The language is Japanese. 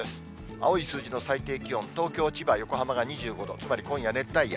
青い数字の最低気温、東京、千葉、横浜が２５度、つまり今夜、熱帯夜。